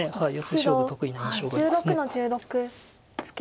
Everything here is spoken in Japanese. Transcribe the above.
白１６の十六ツケ。